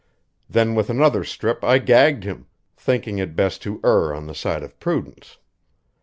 Then with another strip I gagged him, thinking it best to err on the side of prudence.